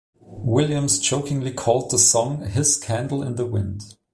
Williams jokingly called the song his "Candle in the Wind".